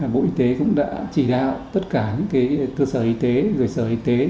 bộ y tế cũng đã chỉ đạo tất cả những cơ sở y tế gửi sở y tế